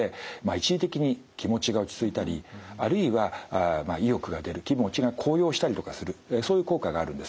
一時的に気持ちが落ち着いたりあるいは意欲が出る気持ちが高揚したりとかするそういう効果があるんですね。